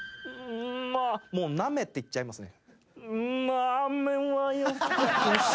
もう「ナメ」って言っちゃいますね。